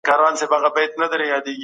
حقیقت تل تر هر څه لوړ وي.